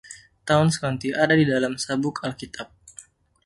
Towns County ada di dalam Sabuk Alkitab.